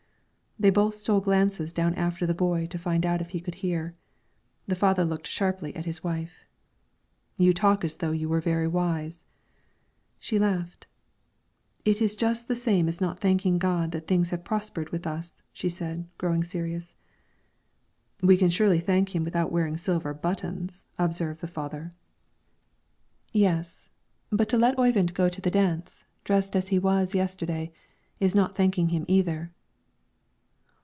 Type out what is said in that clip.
They both stole glances down after the boy to find out if he could hear. The father looked sharply at his wife. "You talk as though you were very wise." She laughed. "It is just the same as not thanking God that things have prospered with us," said she, growing serious. "We can surely thank Him without wearing silver buttons," observed the father. "Yes, but to let Oyvind go to the dance, dressed as he was yesterday, is not thanking Him either."